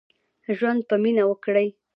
ژوند په مينه وکړئ.